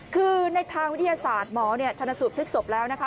คือในทางวิทยาศาสตร์หมอชนสูตรพลิกศพแล้วนะคะ